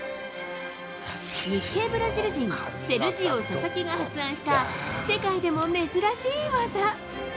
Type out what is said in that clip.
日系ブラジル人セルジオ・ササキが発案した世界でも珍しい技。